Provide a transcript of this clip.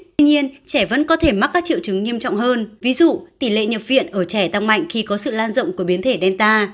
tuy nhiên trẻ vẫn có thể mắc các triệu chứng nghiêm trọng hơn